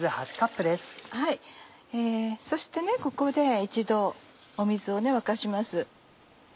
そしてここで一度水を沸かします。